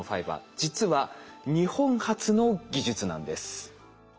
実は日本発の技術なんです。